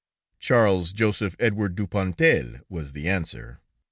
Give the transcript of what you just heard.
"Charles Joseph Edward Dupontel," was the answer.